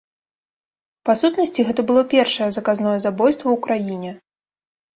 Па сутнасці гэта было першае заказное забойства ў краіне.